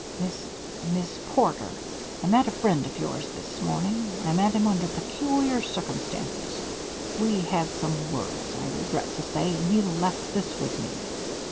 "Miss Miss Porter, I met a friend of yours this morning. I met him under peculiar circumstances. We had some words, I regret to say, and he left this with me."